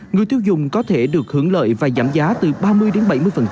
người tiêu dùng có thể được hưởng lợi và giảm giá từ ba mươi đến bảy mươi